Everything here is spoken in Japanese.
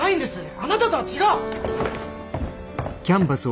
あなたとは違う！